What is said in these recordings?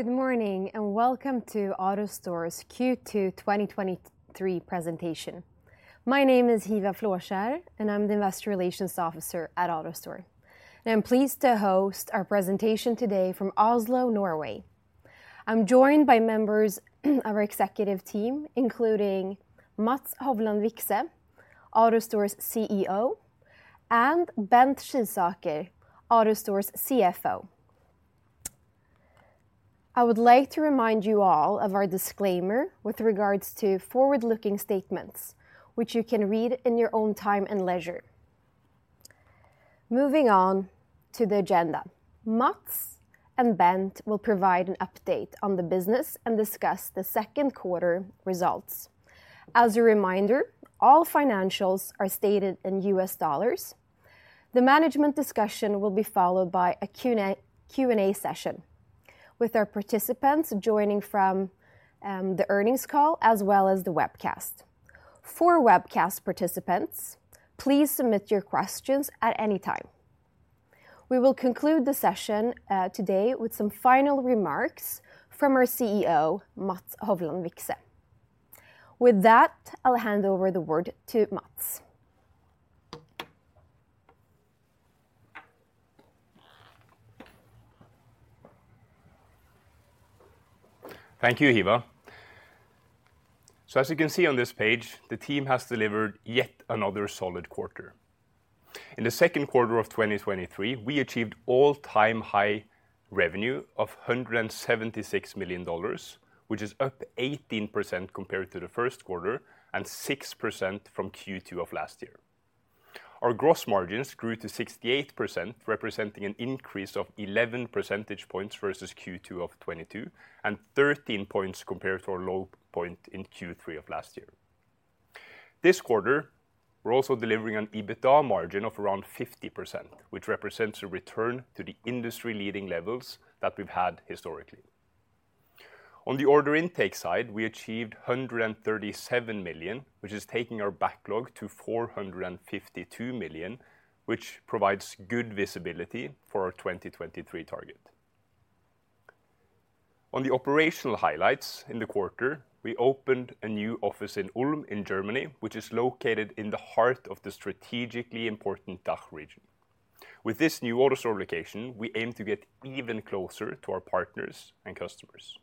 Good morning, welcome to AutoStore's Q2 2023 presentation. My name is Hiva Flåskjer, and I'm the Investor Relations Officer at AutoStore. I'm pleased to host our presentation today from Oslo, Norway. I'm joined by members of our executive team, including Mats Hovland Vikse, AutoStore's CEO, and Bent Skisaker, AutoStore's CFO. I would like to remind you all of our disclaimer with regards to forward-looking statements, which you can read in your own time and leisure. Moving on to the agenda, Mats and Bent will provide an update on the business and discuss the second quarter results. As a reminder, all financials are stated in U.S. dollars. The management discussion will be followed by a Q&A session, with our participants joining from the earnings call as well as the webcast. For webcast participants, please submit your questions at any time. We will conclude the session today with some final remarks from our CEO, Mats Hovland Vikse. With that, I'll hand over the word to Mats. Thank you, Hiva. As you can see on this page, the team has delivered yet another solid quarter. In the second quarter of 2023, we achieved all-time high revenue of $176 million, which is up 18% compared to the first quarter and 6% from Q2 of last year. Our gross margins grew to 68%, representing an increase of 11 percentage points versus Q2 of 2022, and 13 points compared to our low point in Q3 of last year. This quarter, we're also delivering an EBITDA margin of around 50%, which represents a return to the industry-leading levels that we've had historically. On the order intake side, we achieved $137 million, which is taking our backlog to $452 million, which provides good visibility for our 2023 target. On the operational highlights in the quarter, we opened a new office in Ulm, in Germany, which is located in the heart of the strategically important DACH region. With this new AutoStore location, we aim to get even closer to our partners and customers.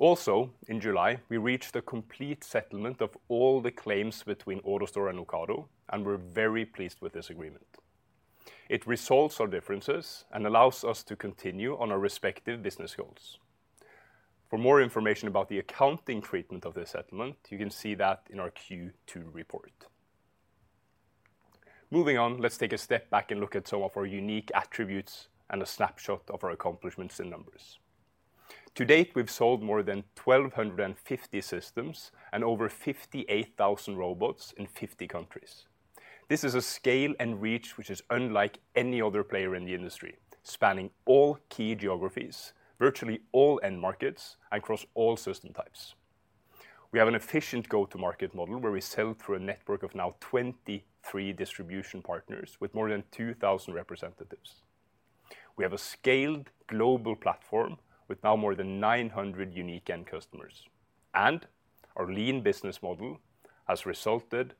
In July, we reached a complete settlement of all the claims between AutoStore and Ocado, and we're very pleased with this agreement. It resolves our differences and allows us to continue on our respective business goals. For more information about the accounting treatment of this settlement, you can see that in our Q2 report. Moving on, let's take a step back and look at some of our unique attributes and a snapshot of our accomplishments in numbers. To date, we've sold more than 1,250 systems and over 58,000 robots in 50 countries. This is a scale and reach which is unlike any other player in the industry, spanning all key geographies, virtually all end markets, and across all system types. We have an efficient go-to-market model, where we sell through a network of now 23 distribution partners with more than 2,000 representatives. We have a scaled global platform with now more than 900 unique end customers, and our lean business model has resulted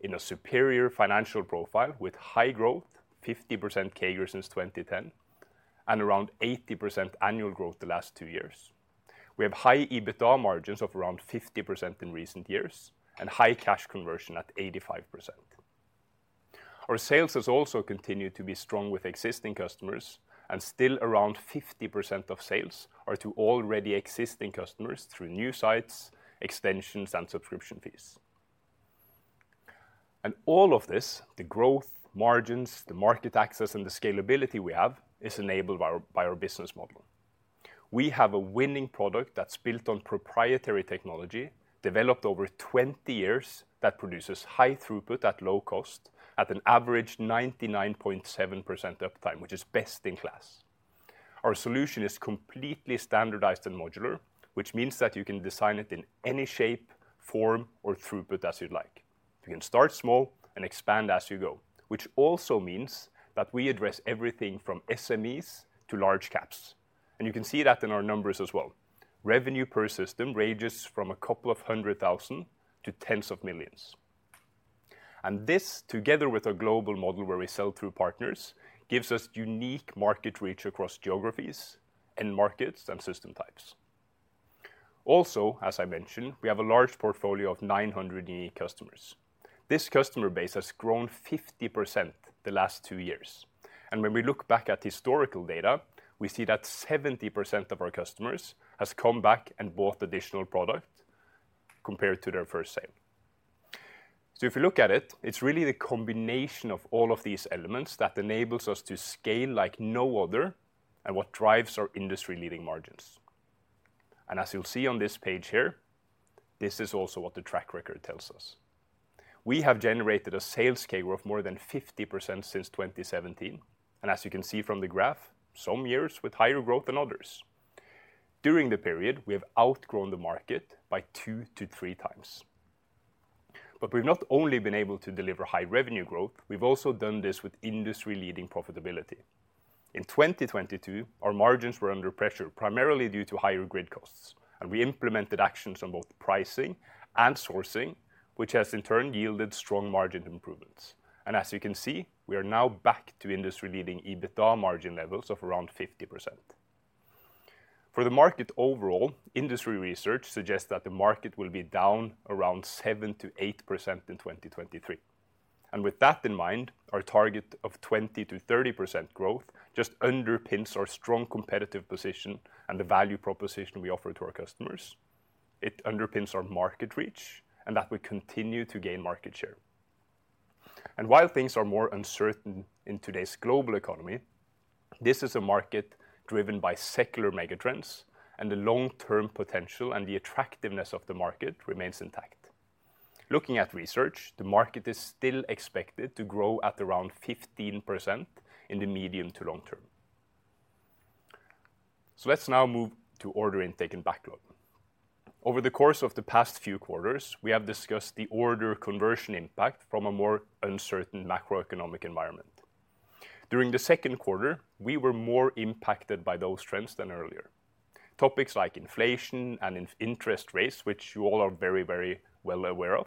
in a superior financial profile with high growth, 50% CAGR since 2010, and around 80% annual growth the last two years. We have high EBITDA margins of around 50% in recent years and high cash conversion at 85%. Our sales has also continued to be strong with existing customers, and still around 50% of sales are to already existing customers through new sites, extensions, and subscription fees. All of this, the growth, margins, the market access, and the scalability we have, is enabled by our, by our business model. We have a winning product that's built on proprietary technology, developed over 20 years, that produces high throughput at low cost at an average 99.7% uptime, which is best in class. Our solution is completely standardized and modular, which means that you can design it in any shape, form, or throughput as you'd like. You can start small and expand as you go, which also means that we address everything from SMEs to large caps, and you can see that in our numbers as well. Revenue per system ranges from a couple of hundred thousand to tens of millions. This, together with our global model, where we sell through partners, gives us unique market reach across geographies and markets and system types. Also, as I mentioned, we have a large portfolio of 900 unique customers. This customer base has grown 50% the last two years. When we look back at historical data, we see that 70% of our customers has come back and bought additional product compared to their first sale. If you look at it, it's really the combination of all of these elements that enables us to scale like no other and what drives our industry-leading margins. As you'll see on this page here, this is also what the track record tells us. We have generated a sales CAGR of more than 50% since 2017, and as you can see from the graph, some years with higher growth than others. During the period, we have outgrown the market by 2-3 times. We've not only been able to deliver high revenue growth, we've also done this with industry-leading profitability. In 2022, our margins were under pressure, primarily due to higher grid costs, and we implemented actions on both pricing and sourcing, which has in turn yielded strong margin improvements. As you can see, we are now back to industry-leading EBITDA margin levels of around 50%. For the market overall, industry research suggests that the market will be down around 7%-8% in 2023. With that in mind, our target of 20%-30% growth just underpins our strong competitive position and the value proposition we offer to our customers. It underpins our market reach, and that we continue to gain market share. While things are more uncertain in today's global economy, this is a market driven by secular megatrends, and the long-term potential and the attractiveness of the market remains intact. Looking at research, the market is still expected to grow at around 15% in the medium to long term. Let's now move to order intake and backlog. Over the course of the past few quarters, we have discussed the order conversion impact from a more uncertain macroeconomic environment. During the second quarter, we were more impacted by those trends than earlier. Topics like inflation and interest rates, which you all are very, very well aware of,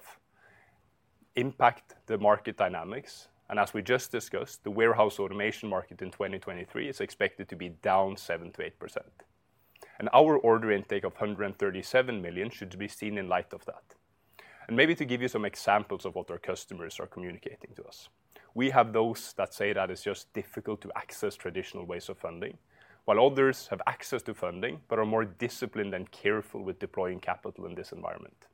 impact the market dynamics, and as we just discussed, the warehouse automation market in 2023 is expected to be down 7%-8%. Our order intake of $137 million should be seen in light of that. Maybe to give you some examples of what our customers are communicating to us, we have those that say that it's just difficult to access traditional ways of funding, while others have access to funding, but are more disciplined and careful with deploying capital in this environment.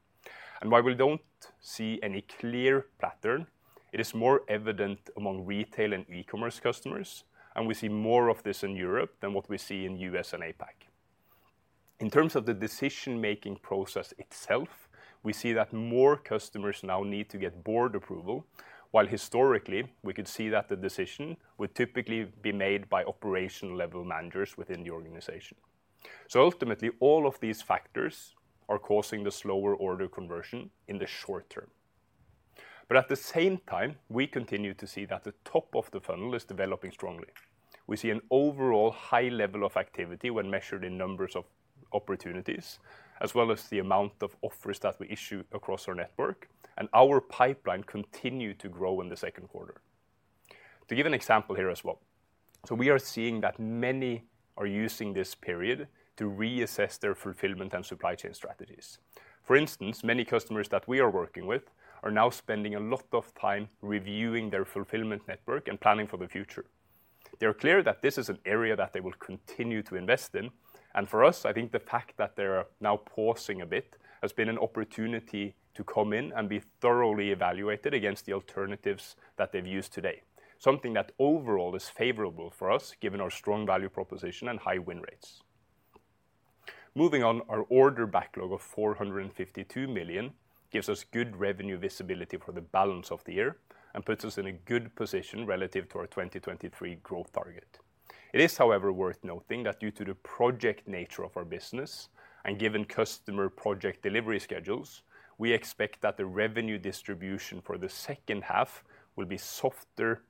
While we don't see any clear pattern, it is more evident among retail and e-commerce customers, and we see more of this in Europe than what we see in U.S. and APAC. In terms of the decision-making process itself, we see that more customers now need to get board approval, while historically, we could see that the decision would typically be made by operational-level managers within the organization. Ultimately, all of these factors are causing the slower order conversion in the short term. At the same time, we continue to see that the top of the funnel is developing strongly. We see an overall high level of activity when measured in numbers of opportunities, as well as the amount of offers that we issue across our network. Our pipeline continued to grow in the second quarter. To give an example here as well, we are seeing that many are using this period to reassess their fulfillment and supply chain strategies. For instance, many customers that we are working with are now spending a lot of time reviewing their fulfillment network and planning for the future. They are clear that this is an area that they will continue to invest in, and for us, I think the fact that they are now pausing a bit, has been an opportunity to come in and be thoroughly evaluated against the alternatives that they've used today, something that overall is favorable for us, given our strong value proposition and high win rates. Moving on, our order backlog of $452 million gives us good revenue visibility for the balance of the year and puts us in a good position relative to our 2023 growth target. It is, however, worth noting that due to the project nature of our business, and given customer project delivery schedules, we expect that the revenue distribution for the second half will be softer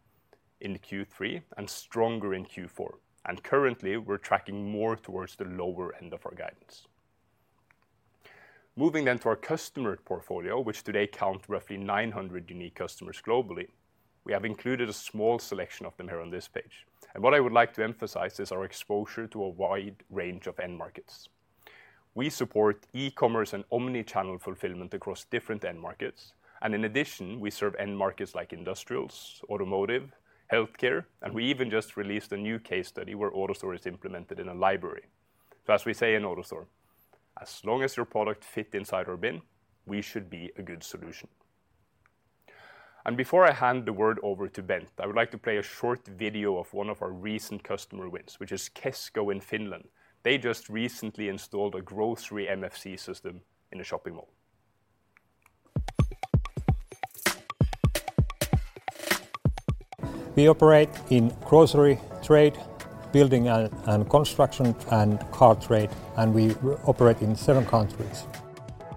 in Q3 and stronger in Q4, and currently, we're tracking more towards the lower end of our guidance. Moving to our customer portfolio, which today count roughly 900 unique customers globally, we have included a small selection of them here on this page. What I would like to emphasize is our exposure to a wide range of end markets. We support e-commerce and omni-channel fulfillment across different end markets. In addition, we serve end markets like industrials, automotive, healthcare, and we even just released a new case study where AutoStore is implemented in a library. As we say in AutoStore, "As long as your product fit inside our bin, we should be a good solution." Before I hand the word over to Bent, I would like to play a short video of one of our recent customer wins, which is Kesko in Finland. They just recently installed a grocery MFC system in a shopping mall. We operate in grocery, trade, building and, and construction, and car trade, and we operate in seven countries.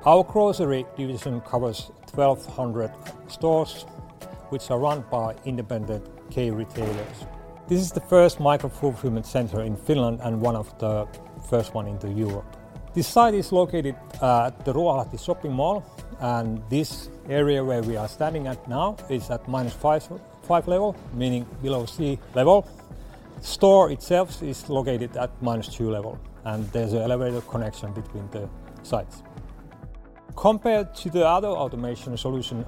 Our grocery division covers 1,200 stores, which are run by independent K-retailers. This is the first micro-fulfillment center in Finland, and one of the first one into Europe. This site is located at the Ruoholahti Shopping centre. This area where we are standing at now is at minus five, five level, meaning below sea level. Store itself is located at minus two level, and there's an elevator connection between the sites. Compared to the other automation solution,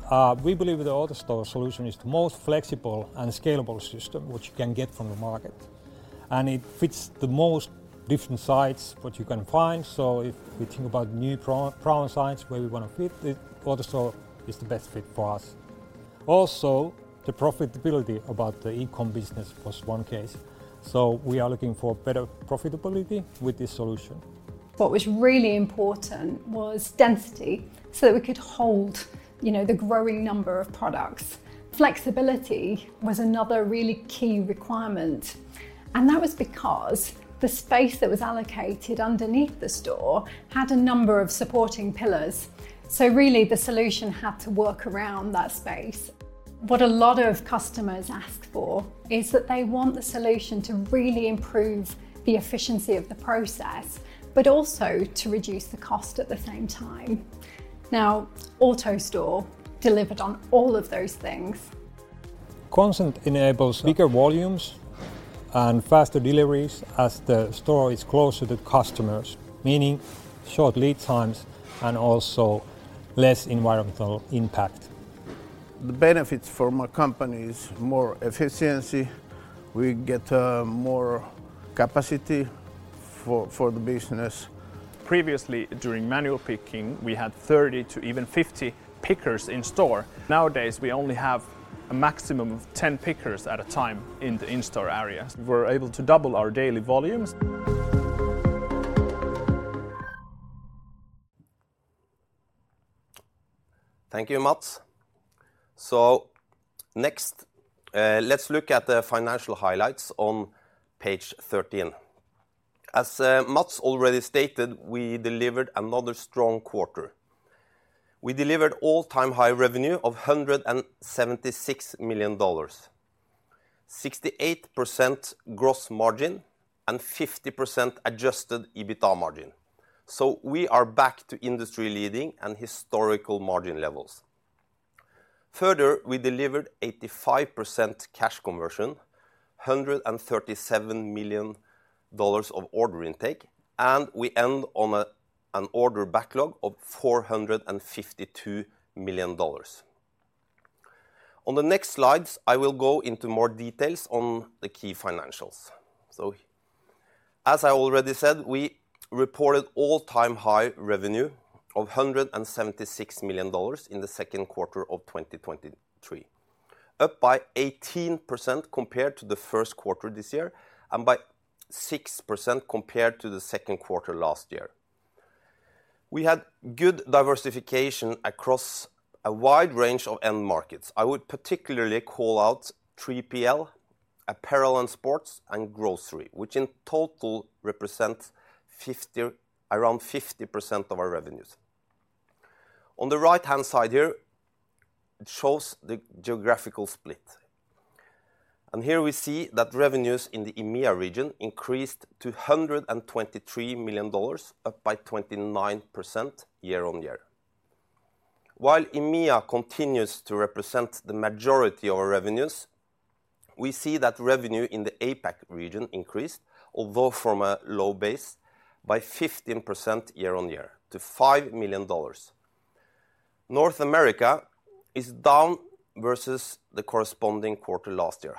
we believe the AutoStore solution is the most flexible and scalable system which you can get from the market, and it fits the most different sites which you can find. If we think about new problem sites where we want to fit it, AutoStore is the best fit for us. The profitability about the e-com business was one case, so we are looking for better profitability with this solution. What was really important was density, so that we could hold, you know, the growing number of products. Flexibility was another really key requirement. That was because the space that was allocated underneath the store had a number of supporting pillars. Really, the solution had to work around that space. What a lot of customers ask for is that they want the solution to really improve the efficiency of the process, but also to reduce the cost at the same time. Now, AutoStore delivered on all of those things. The concept enables bigger volumes and faster deliveries as the store is close to the customers, meaning short lead times and also less environmental impact. The benefits for my company is more efficiency. We get more capacity for, for the business. Previously, during manual picking, we had 30 to even 50 pickers in store. Nowadays, we only have a maximum of 10 pickers at a time in the in-store area. We're able to double our daily volumes. Thank you, Mats. Next, let's look at the financial highlights on page 13. As, Mats already stated, we delivered another strong quarter. We delivered all-time high revenue of $176 million, 68% gross margin, and 50% adjusted EBITDA margin. We are back to industry-leading and historical margin levels. Further, we delivered 85% cash conversion, $137 million of order intake, and we end on an order backlog of $452 million. On the next slides, I will go into more details on the key financials. As I already said, we reported all-time high revenue of $176 million in the second quarter of 2023, up by 18% compared to the first quarter this year, and by 6% compared to the second quarter last year. We had good diversification across a wide range of end markets. I would particularly call out 3PL, apparel and sports, and grocery, which in total represent around 50% of our revenues. On the right-hand side here, it shows the geographical split. Here we see that revenues in the EMEA region increased to $123 million, up by 29% year-on-year. While EMEA continues to represent the majority of our revenues, we see that revenue in the APAC region increased, although from a low base, by 15% year-on-year to $5 million. North America is down versus the corresponding quarter last year.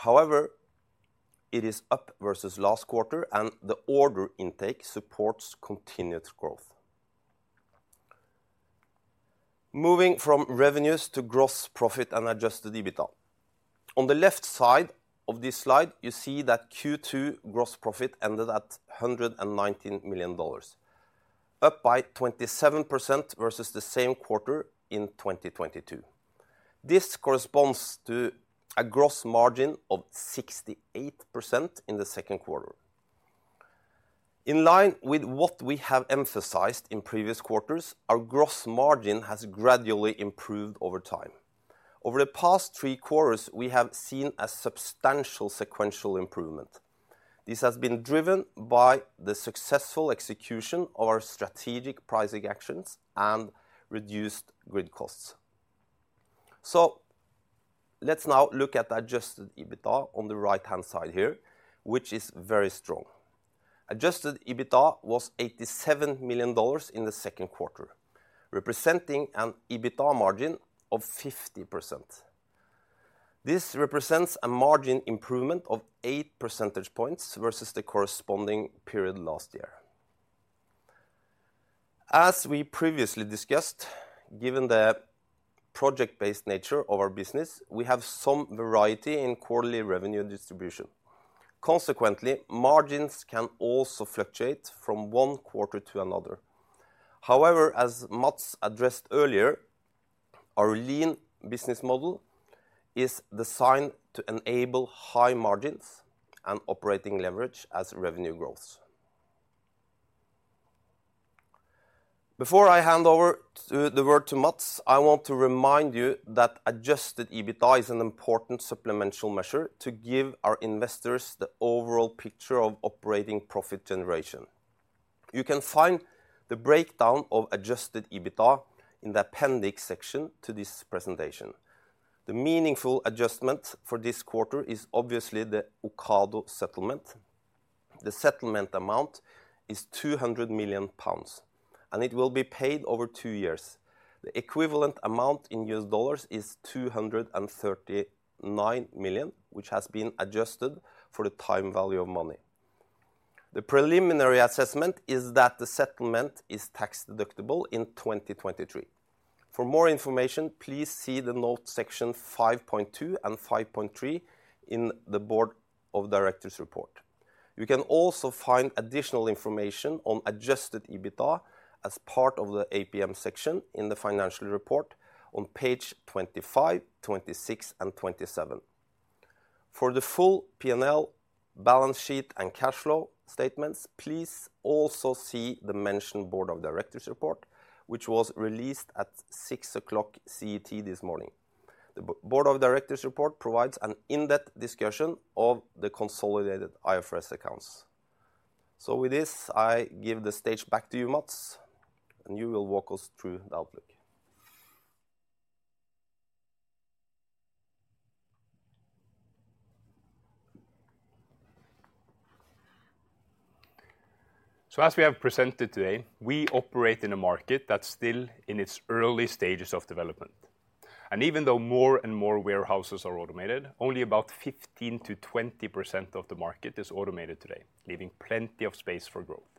It is up versus last quarter, and the order intake supports continued growth. Moving from revenues to gross profit and adjusted EBITDA. On the left side of this slide, you see that Q2 gross profit ended at $119 million, up by 27% versus the same quarter in 2022. This corresponds to a gross margin of 68% in the second quarter. In line with what we have emphasized in previous quarters, our gross margin has gradually improved over time. Over the past three quarters, we have seen a substantial sequential improvement. This has been driven by the successful execution of our strategic pricing actions and reduced grid costs. Let's now look at Adjusted EBITDA on the right-hand side here, which is very strong. Adjusted EBITDA was $87 million in the second quarter, representing an EBITDA margin of 50%. This represents a margin improvement of eight percentage points versus the corresponding period last year. As we previously discussed, given the project-based nature of our business, we have some variety in quarterly revenue distribution. Consequently, margins can also fluctuate from one quarter to another. However, as Mats addressed earlier, our lean business model is designed to enable high margins and operating leverage as revenue grows. Before I hand over the word to Mats, I want to remind you that Adjusted EBITDA is an important supplemental measure to give our investors the overall picture of operating profit generation. You can find the breakdown of Adjusted EBITDA in the appendix section to this presentation. The meaningful adjustment for this quarter is obviously the Ocado settlement. The settlement amount is 200 million pounds, and it will be paid over two years. The equivalent amount in U.S. dollars is $239 million, which has been adjusted for the time value of money. The preliminary assessment is that the settlement is tax deductible in 2023. For more information, please see the note section 5.2 and 5.3 in the Board of Directors report. You can also find additional information on adjusted EBITDA as part of the APM section in the financial report on page 25, 26, and 27. For the full P&L, balance sheet, and cash flow statements, please also see the mentioned Board of Directors report, which was released at 6:00 CET this morning. The Board of Directors report provides an in-depth discussion of the consolidated IFRS accounts. With this, I give the stage back to you, Mats, and you will walk us through the outlook. As we have presented today, we operate in a market that's still in its early stages of development. Even though more and more warehouses are automated, only about 15%-20% of the market is automated today, leaving plenty of space for growth.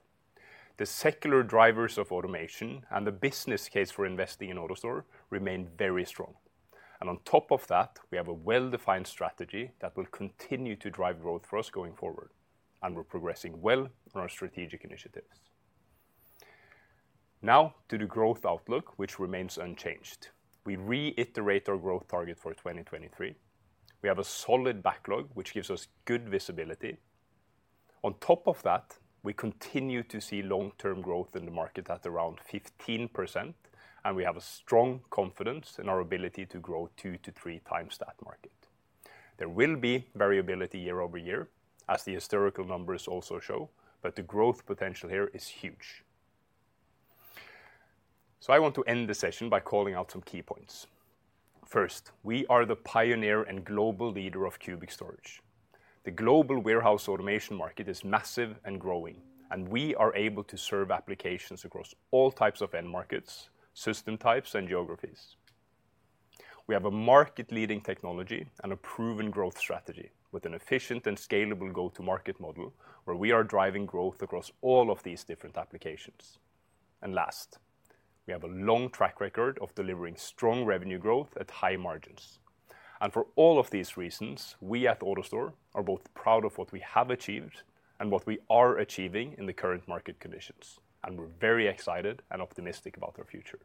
The secular drivers of automation and the business case for investing in AutoStore remain very strong. On top of that, we have a well-defined strategy that will continue to drive growth for us going forward. We're progressing well on our strategic initiatives. Now, to the growth outlook, which remains unchanged. We reiterate our growth target for 2023. We have a solid backlog, which gives us good visibility. On top of that, we continue to see long-term growth in the market at around 15%. We have a strong confidence in our ability to grow 2 to 3 times that market. There will be variability year-over-year, as the historical numbers also show, but the growth potential here is huge. I want to end the session by calling out some key points. First, we are the pioneer and global leader of cubic storage. The global warehouse automation market is massive and growing, and we are able to serve applications across all types of end markets, system types, and geographies. We have a market-leading technology and a proven growth strategy, with an efficient and scalable go-to-market model, where we are driving growth across all of these different applications. Last, we have a long track record of delivering strong revenue growth at high margins. For all of these reasons, we at AutoStore are both proud of what we have achieved and what we are achieving in the current market conditions, and we're very excited and optimistic about our future.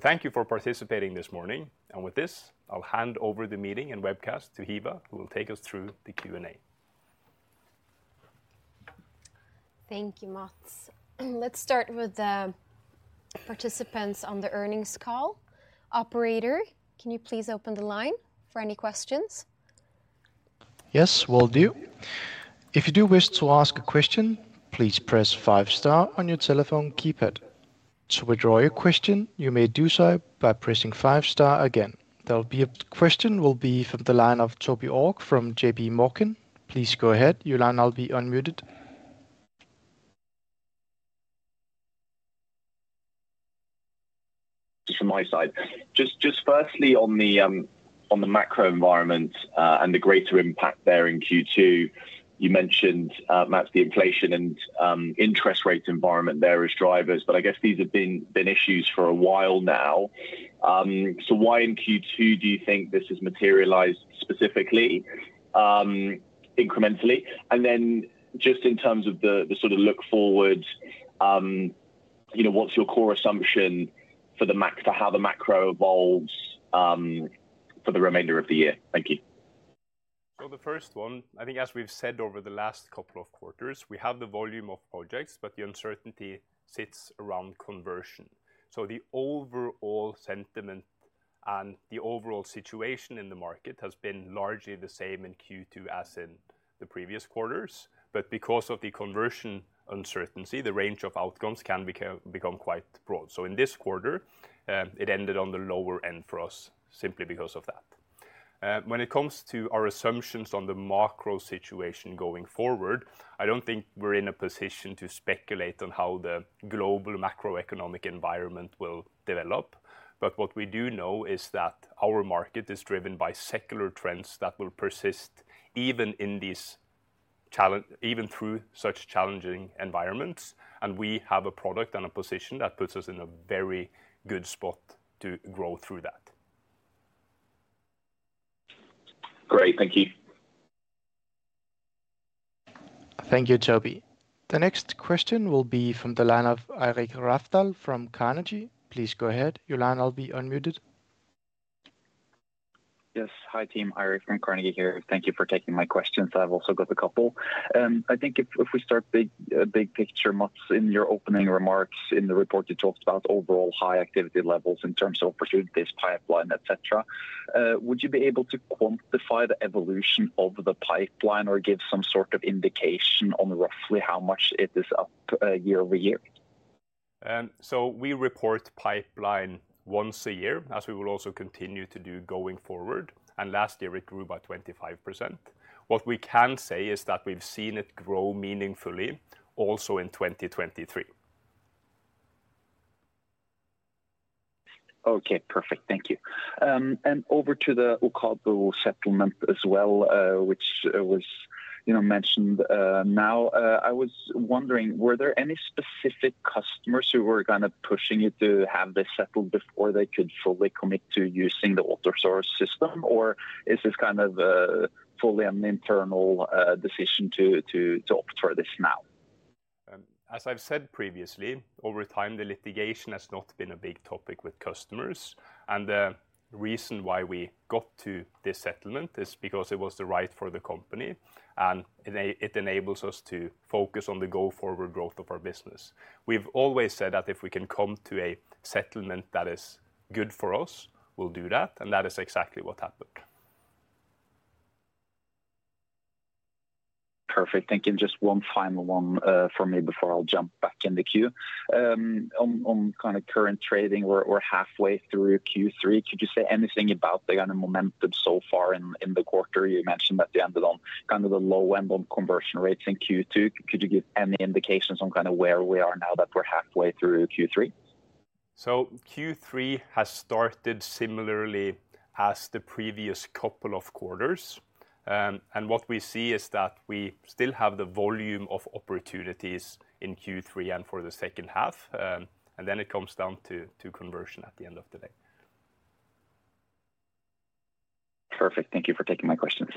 Thank you for participating this morning, and with this, I'll hand over the meeting and webcast to Hiva, who will take us through the Q&A. Thank you, Mats. Let's start with the participants on the earnings call. Operator, can you please open the line for any questions? Yes, will do. If you do wish to ask a question, please press five star on your telephone keypad. To withdraw your question, you may do so by pressing five star again. There will be a question, will be from the line of Toby Ogg from JPMorgan. Please go ahead. Your line now be unmuted. Just from my side. Just, just firstly, on the on the macro environment, and the greater impact there in Q2, you mentioned, Mats, the inflation and interest rate environment there as drivers, but I guess these have been, been issues for a while now. Why in Q2 do you think this has materialized specifically, incrementally? Then just in terms of the, the sort of look forward, you know, what's your core assumption for the mac-- to how the macro evolves for the remainder of the year? Thank you. The first one, I think as we've said over the last couple of quarters, we have the volume of projects, but the uncertainty sits around conversion. The overall sentiment and the overall situation in the market has been largely the same in Q2 as in the previous quarters, but because of the conversion uncertainty, the range of outcomes can become quite broad. In this quarter, it ended on the lower end for us simply because of that. When it comes to our assumptions on the macro situation going forward, I don't think we're in a position to speculate on how the global macroeconomic environment will develop, but what we do know is that our market is driven by secular trends that will persist even in these even through such challenging environments, and we have a product and a position that puts us in a very good spot to grow through that. Great. Thank you. Thank you, Toby. The next question will be from the line of Eirik Rafdal from Carnegie. Please go ahead. Your line will be unmuted. Yes. Hi, team. Eirik Rafdal from Carnegie here. Thank you for taking my questions. I've also got a couple. I think if, if we start big, big picture, Mats, in your opening remarks in the report, you talked about overall high activity levels in terms of opportunities, pipeline, et cetera. Would you be able to quantify the evolution of the pipeline or give some sort of indication on roughly how much it is up, year-over-year? We report pipeline once a year, as we will also continue to do going forward. Last year it grew by 25%. We can say is that we've seen it grow meaningfully also in 2023. Okay, perfect. Thank you. Over to the Ocado settlement as well, which was, you know, mentioned, now. I was wondering, were there any specific customers who were kind of pushing you to have this settled before they could fully commit to using the AutoStore system, or is this kind of, fully an internal, decision to opt for this now? As I've said previously, over time, the litigation has not been a big topic with customers, and the reason why we got to this settlement is because it was the right for the company, and it enables us to focus on the go-forward growth of our business. We've always said that if we can come to a settlement that is good for us, we'll do that, and that is exactly what happened. Perfect. Thank you. Just 1 final one for me before I'll jump back in the queue. On, on kind of current trading, we're, we're halfway through Q3. Could you say anything about the kind of momentum so far in, in the quarter? You mentioned that you ended on kind of the low end on conversion rates in Q2. Could you give any indications on kind of where we are now that we're halfway through Q3? Q3 has started similarly as the previous couple of quarters. What we see is that we still have the volume of opportunities in Q3 and for the second half. Then it comes down to, to conversion at the end of the day. Perfect. Thank you for taking my questions.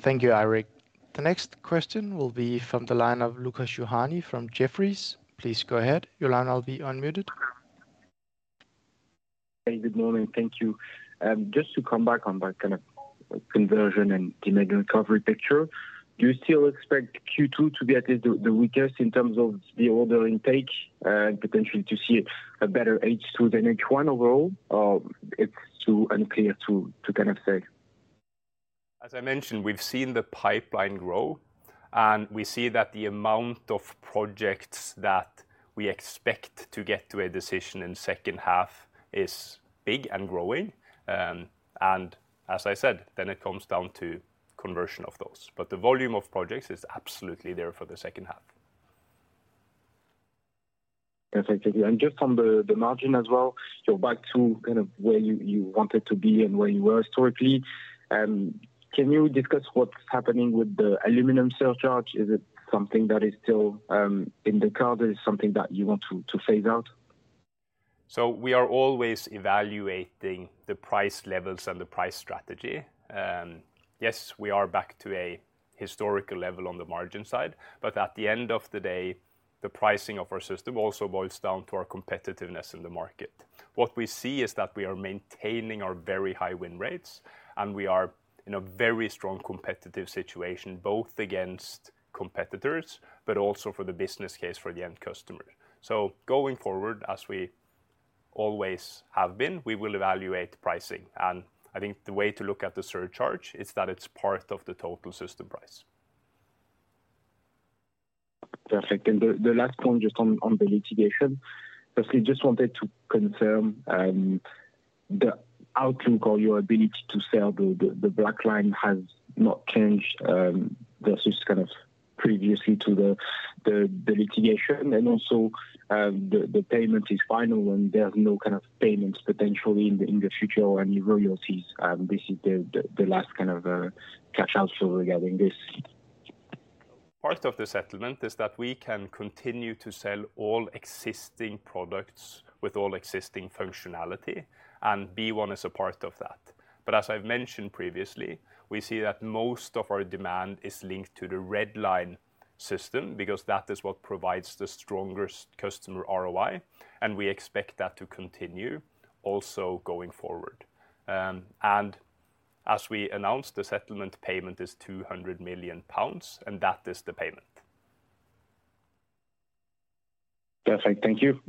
Thank you, Eirik. The next question will be from the line of Lucas Ferhani from Jefferies. Please go ahead. Your line will now be unmuted. Hey, good morning. Thank you. Just to come back on that kind of conversion and demand recovery picture, do you still expect Q2 to be at least the, the weakest in terms of the order intake, potentially to see a better H2 than H1 overall? Or it's too unclear to, to kind of say? As I mentioned, we've seen the pipeline grow, and we see that the amount of projects that we expect to get to a decision in second half is big and growing. As I said, then it comes down to conversion of those, but the volume of projects is absolutely there for the second half. Perfect, thank you. Just on the, the margin as well, you're back to kind of where you, you wanted to be and where you were historically. Can you discuss what's happening with the aluminum surcharge? Is it something that is still in the card, or is something that you want to, to phase out? We are always evaluating the price levels and the price strategy. Yes, we are back to a historical level on the margin side, but at the end of the day, the pricing of our system also boils down to our competitiveness in the market. What we see is that we are maintaining our very high win rates, and we are in a very strong competitive situation, both against competitors, but also for the business case for the end customer. Going forward, as we always have been, we will evaluate pricing, and I think the way to look at the surcharge is that it's part of the total system price. Perfect. The, the last one, just on the litigation. Firstly, just wanted to confirm, the outlook or your ability to sell the Black Line has not changed versus previously to the litigation. Also, the, the payment is final, and there are no payments potentially in the future or any royalties, and this is the last cash out regarding this. Part of the settlement is that we can continue to sell all existing products with all existing functionality, and B1 is a part of that. As I've mentioned previously, we see that most of our demand is linked to the Red Line system because that is what provides the stronger customer ROI, and we expect that to continue also going forward. As we announced, the settlement payment is 200 million pounds, and that is the payment. Perfect. Thank you.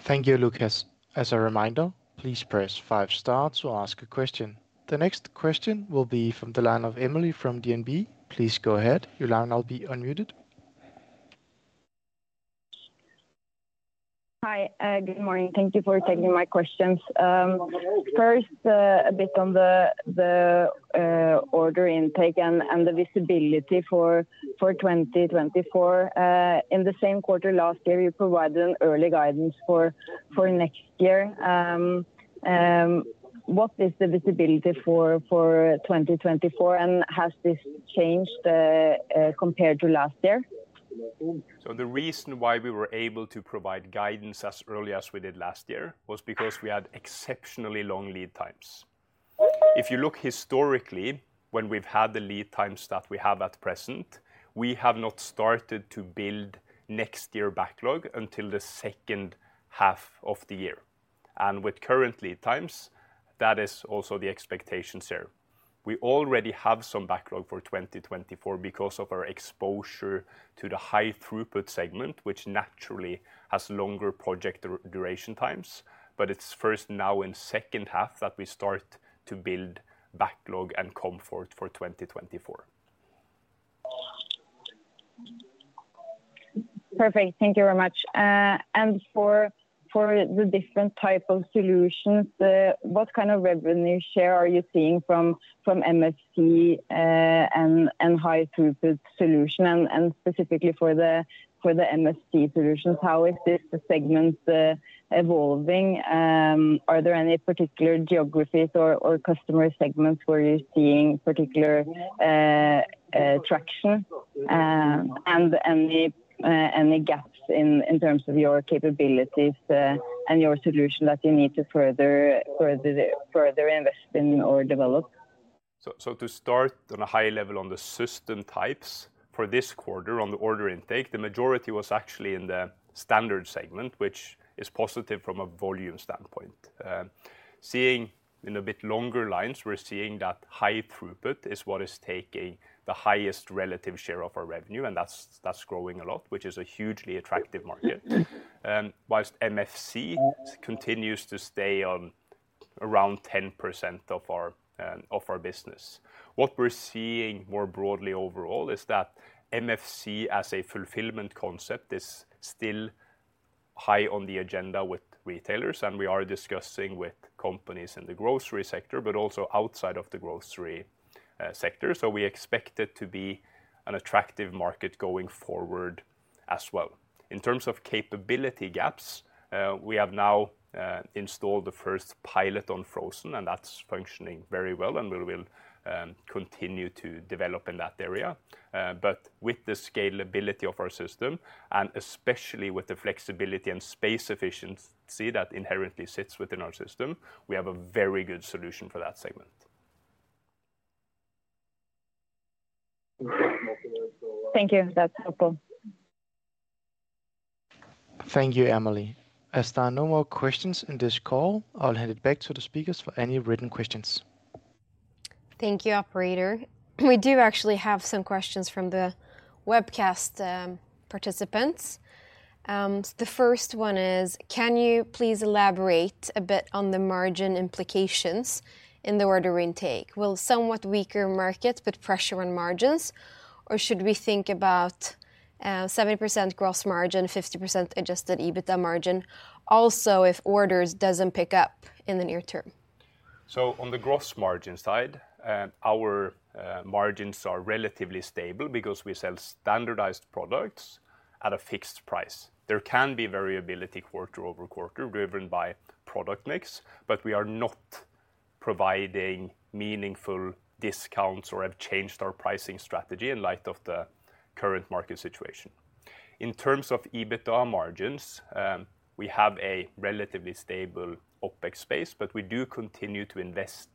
Thank you, Lucas. As a reminder, please press five stars to ask a question. The next question will be from the line of Emilie from DNB. Please go ahead. Your line now be unmuted. Hi, good morning. Thank you for taking my questions. First, a bit on the order intake and the visibility for 2024. In the same quarter last year, you provided an early guidance for next year. What is the visibility for 2024, and has this changed compared to last year? The reason why we were able to provide guidance as early as we did last year was because we had exceptionally long lead times. If you look historically, when we've had the lead times that we have at present, we have not started to build next year backlog until the second half of the year. With current lead times, that is also the expectations here. We already have some backlog for 2024 because of our exposure to the high-throughput segment, which naturally has longer project duration times, but it's first now in second half that we start to build backlog and comfort for 2024. Perfect. Thank you very much. For, for the different type of solutions, what kind of revenue share are you seeing from, from MFC, and, and high-throughput solution? Specifically for the, for the MFC solutions, how is this segment evolving? Are there any particular geographies or, or customer segments where you're seeing particular traction, and any gaps in, in terms of your capabilities, and your solution that you need to further, further, further invest in or develop? So to start on a high level on the system types, for this quarter, on the order intake, the majority was actually in the standard segment, which is positive from a volume standpoint. Seeing in a bit longer lines, we're seeing that high-throughput is what is taking the highest relative share of our revenue, and that's, that's growing a lot, which is a hugely attractive market. Whilst MFC continues to stay on around 10% of our of our business. What we're seeing more broadly overall is that MFC, as a fulfillment concept, is still high on the agenda with retailers, and we are discussing with companies in the grocery sector, but also outside of the grocery sector. We expect it to be an attractive market going forward as well. In terms of capability gaps, we have now installed the first pilot on frozen, and that's functioning very well, and we will continue to develop in that area. With the scalability of our system, and especially with the flexibility and space efficiency that inherently sits within our system, we have a very good solution for that segment. Thank you. That's helpful. Thank you, Emilie. As there are no more questions in this call, I'll hand it back to the speakers for any written questions. Thank you, operator. We do actually have some questions from the webcast participants. The first one is: Can you please elaborate a bit on the margin implications in the order intake? Will somewhat weaker markets put pressure on margins, or should we think about 70% gross margin, 50% adjusted EBITDA margin, also, if orders doesn't pick up in the near term? On the gross margin side, our margins are relatively stable because we sell standardized products at a fixed price. There can be variability quarter-over-quarter, driven by product mix, but we are not providing meaningful discounts or have changed our pricing strategy in light of the current market situation. In terms of EBITDA margins, we have a relatively stable OpEx space, but we do continue to invest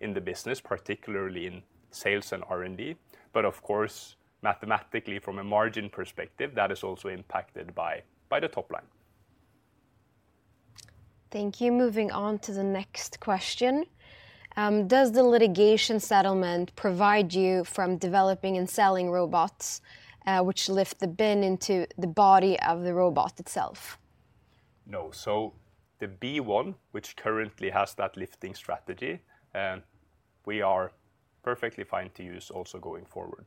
in the business, particularly in sales and R&D. Of course, mathematically, from a margin perspective, that is also impacted by, by the top line. Thank you. Moving on to the next question. Does the litigation settlement provide you from developing and selling robots which lift the bin into the body of the robot itself? No. The B1, which currently has that lifting strategy, we are perfectly fine to use also going forward.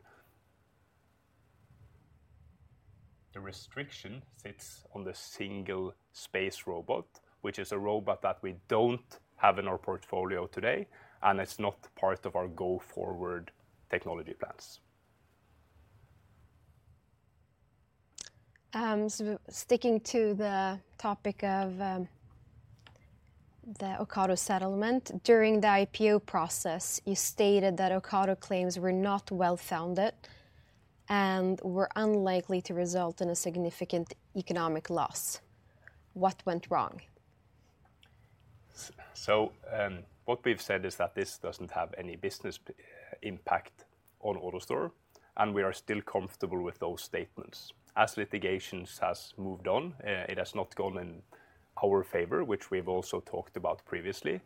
The restriction sits on the single space robot, which is a robot that we don't have in our portfolio today, and it's not part of our go-forward technology plans. Sticking to the topic of the Ocado settlement, during the IPO process, you stated that Ocado claims were not well-founded and were unlikely to result in a significant economic loss. What went wrong? What we've said is that this doesn't have any business impact on AutoStore, and we are still comfortable with those statements. As litigations has moved on, it has not gone in our favor, which we've also talked about previously.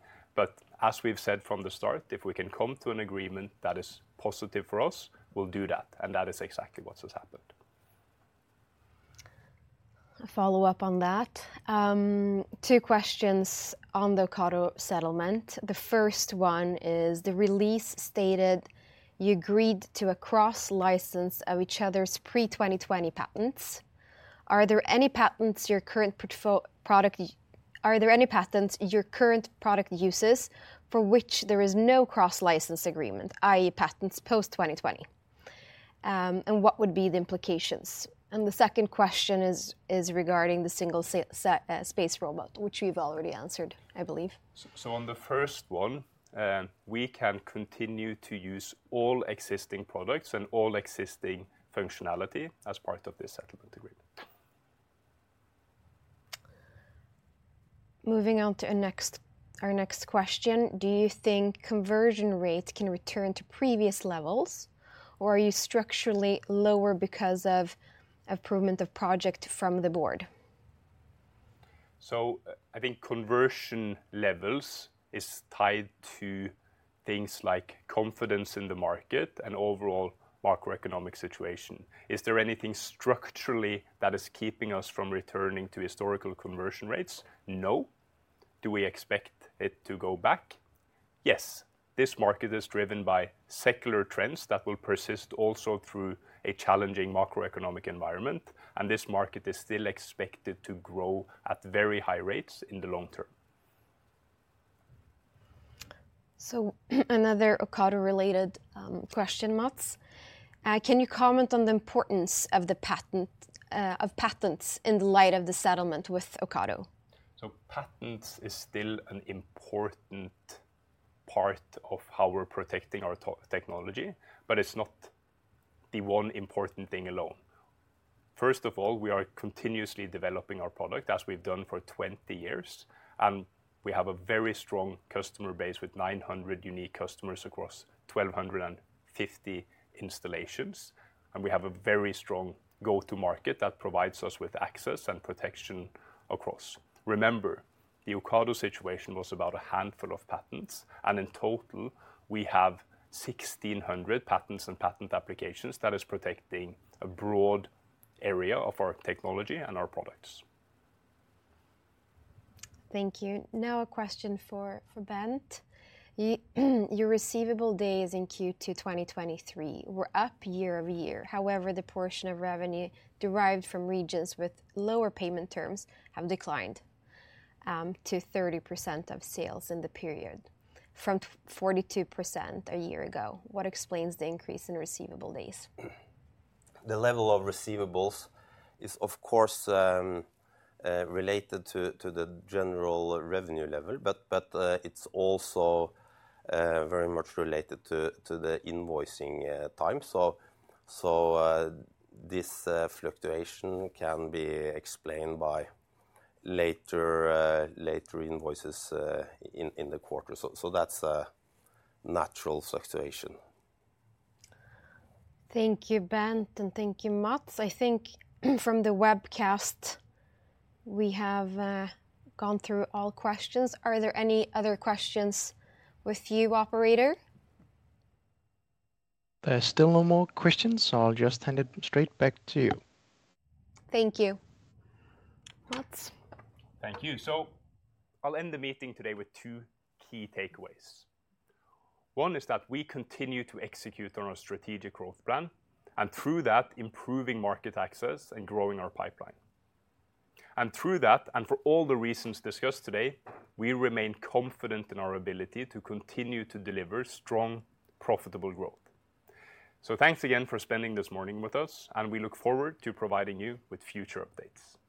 As we've said from the start, if we can come to an agreement that is positive for us, we'll do that, and that is exactly what has happened. A follow-up on that. Two questions on the Ocado settlement. The first one is, the release stated you agreed to a cross-license of each other's pre-2020 patents. Are there any patents your current product uses for which there is no cross-license agreement, i.e., patents post 2020? What would be the implications? The second question is, is regarding the single space robot, which you've already answered, I believe. On the first one, we can continue to use all existing products and all existing functionality as part of this settlement agreement. Moving on to our next question: Do you think conversion rates can return to previous levels, or are you structurally lower because of improvement of project from the board? I think conversion levels is tied to things like confidence in the market and overall macroeconomic situation. Is there anything structurally that is keeping us from returning to historical conversion rates? No. Do we expect it to go back? Yes. This market is driven by secular trends that will persist also through a challenging macroeconomic environment, this market is still expected to grow at very high rates in the long term. Another Ocado-related question, Mats. Can you comment on the importance of the patent, of patents in light of the settlement with Ocado? Patents is still an important part of how we're protecting our technology, but it's not the one important thing alone. First of all, we are continuously developing our product, as we've done for 20 years, and we have a very strong customer base with 900 unique customers across 1,250 installations, and we have a very strong go-to-market that provides us with access and protection across. Remember, the Ocado situation was about a handful of patents, and in total, we have 1,600 patents and patent applications that is protecting a broad area of our technology and our products. Thank you. Now a question for, for Bent. Your receivable days in Q2 2023 were up year-over-year. However, the portion of revenue derived from regions with lower payment terms have declined to 30% of sales in the period, from 42% a year ago. What explains the increase in receivable days? The level of receivables is, of course, related to, to the general revenue level, but, but, it's also, very much related to, to the invoicing, time. So, this, fluctuation can be explained by later, later invoices, in, in the quarter. So that's a natural fluctuation. Thank you, Bent, and thank you, Mats. I think from the webcast, we have gone through all questions. Are there any other questions with you, operator? There are still no more questions, so I'll just hand it straight back to you. Thank you. Mats? Thank you. I'll end the meeting today with two key takeaways. One is that we continue to execute on our strategic growth plan, and through that, improving market access and growing our pipeline. Through that, and for all the reasons discussed today, we remain confident in our ability to continue to deliver strong, profitable growth. Thanks again for spending this morning with us, and we look forward to providing you with future updates.